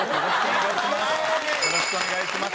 よろしくお願いします。